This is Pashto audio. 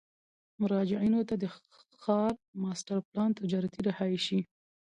مراجعینو ته د ښار ماسټر پلان، تجارتي، رهایشي،